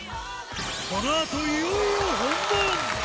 このあと、いよいよ本番。